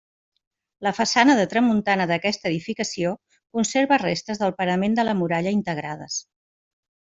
La façana de tramuntana d'aquesta edificació conserva restes del parament de la muralla integrades.